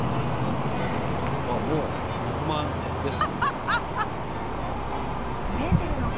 あ、もう肉まんです。